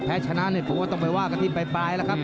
แพ้ชนะต้องไปว่ากันที่ไปไปละครับ